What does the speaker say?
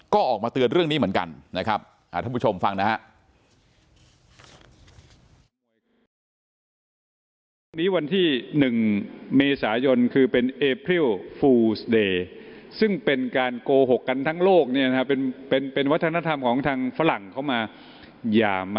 ก็ออกมาเตือนเรื่องนี้เหมือนกันนะครับ